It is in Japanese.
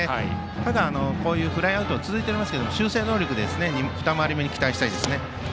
ただ、フライアウトが続いていますけども、修正能力で二回り目に期待したいですね。